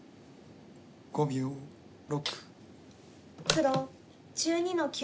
黒１２の九。